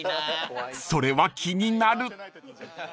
［それは気になる］